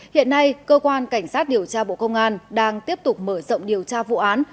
hiện nay cơ quan cảnh sát điều tra bộ công an đang tiếp tục mở rộng điều tra vụ án